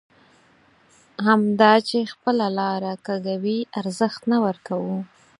همدا چې خپله لاره کږوي ارزښت نه ورکوو.